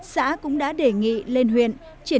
sã cũng đã đề nghị lên huyện